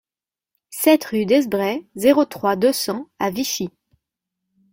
sept rue Desbrest, zéro trois, deux cents à Vichy